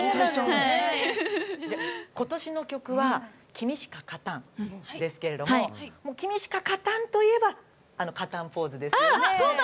今年の曲は「君しか勝たん」ですが「君しか勝たん」といえば勝たんポーズですよね。